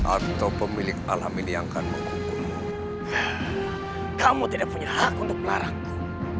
atau pemilik alam ini yang akan menghukummu kamu tidak punya hak untuk melarangku